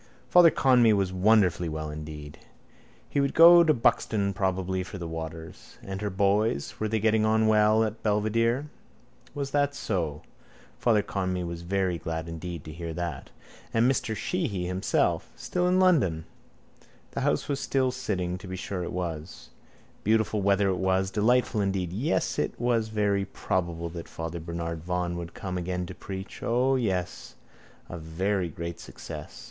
Father Conmee was wonderfully well indeed. He would go to Buxton probably for the waters. And her boys, were they getting on well at Belvedere? Was that so? Father Conmee was very glad indeed to hear that. And Mr Sheehy himself? Still in London. The house was still sitting, to be sure it was. Beautiful weather it was, delightful indeed. Yes, it was very probable that Father Bernard Vaughan would come again to preach. O, yes: a very great success.